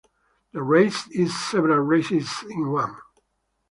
The race is several races in one.